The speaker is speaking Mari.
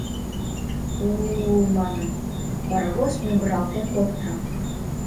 «У-у-у!» — манын, паровоз мӱгыралтен колта.